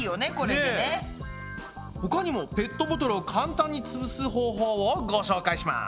他にもペットボトルを簡単につぶす方法をご紹介します。